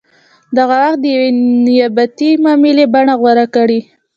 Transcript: دغه واک د یوې نیابتي معاملې بڼه غوره کړې.